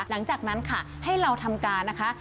หลังจากนั้นค่ะให้เราทำการนะคะ